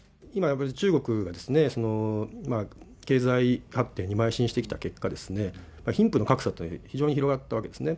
今、やっぱり中国がですね、経済発展にまい進してきた結果、貧富の格差というのが広がったわけですね。